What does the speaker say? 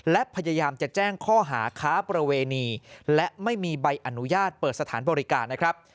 และพยายามจะแจ้งข้อหาค้าประเวณีและไม่มีใบอนุญาตเปิดสถานบริการนะครับ